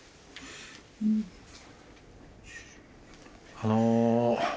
あの。